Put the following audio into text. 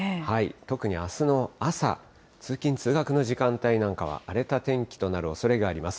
特にあすの朝、通勤・通学の時間帯なんかは荒れた天気となるおそれがあります。